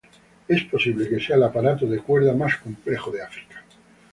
Es posible que sea el aparato de cuerda más complejo de África.